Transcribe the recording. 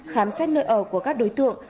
khám xét nơi ở của các đối tượng